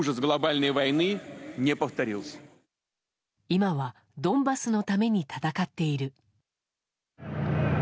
今はドンバスのために戦っている。